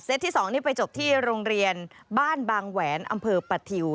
ที่๒นี่ไปจบที่โรงเรียนบ้านบางแหวนอำเภอปะทิว